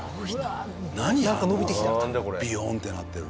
あのビヨーンってなってるの。